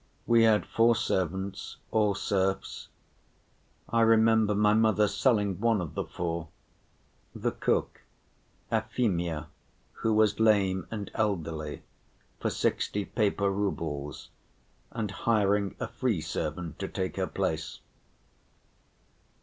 We had four servants, all serfs. I remember my mother selling one of the four, the cook Afimya, who was lame and elderly, for sixty paper roubles, and hiring a free servant to take her place.